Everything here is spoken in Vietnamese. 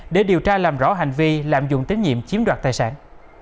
để điều tra làm rõ hành vi lạm dụng tín nhiệm chiếm đoạt tài sản